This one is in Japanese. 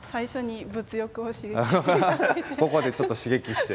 ここでちょっと刺激して。